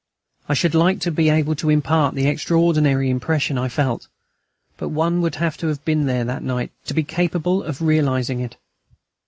I should like to be able to impart the extraordinary impression I felt; but one would have to have been there that night to be capable of realising it.